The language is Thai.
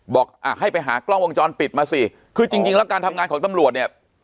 บอกอ่ะให้ไปหากล้องวงจรปิดมาสิคือจริงจริงแล้วการทำงานของตำรวจเนี่ย